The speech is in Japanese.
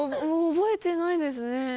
覚えてないですね。